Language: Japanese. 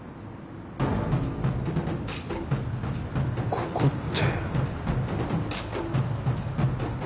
ここって。